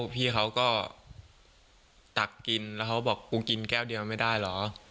พี่เขาก็ตักกินแล้วเขาก็บอกกูกินแก้วเดียวไม่ได้เหรอ